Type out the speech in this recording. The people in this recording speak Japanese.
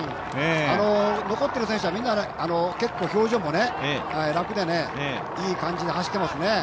残ってる選手はみんな表情も楽でねいい感じに走ってますね。